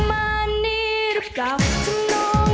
แต่ว่าแม่ตั๊กจะมอบให้ใครจะเป็นน้องจ้าจ้าต้องมาลุ้นกันครับ